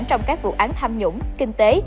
trong các vụ án tham nhũng kinh tế